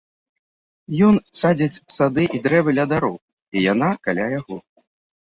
Ён садзіць сады і дрэвы ля дарог, і яна каля яго.